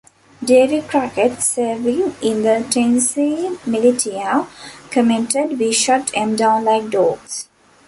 Davy Crockett, serving in the Tennessee Militia, commented, We shot 'em down like dogs.